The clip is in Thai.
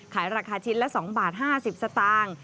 ขายราคาชิ้นละ๒บาท๕๐สตางค์